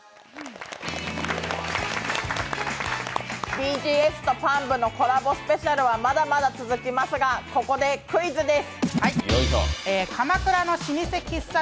ＢＧＳとパン部のコラボはまだまだ続きますがここでクイズです。